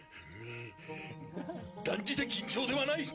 断じて緊張ではない！